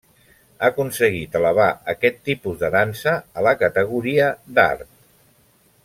Ha aconseguit elevar aquest tipus de dansa a la categoria d'art.